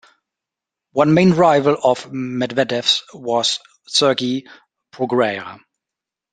One main rival of Medvedev's was Sergi Bruguera.